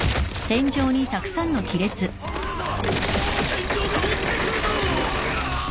天井が落ちてくるぞ！